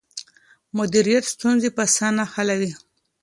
مديريت ستونزې په اسانه حلوي.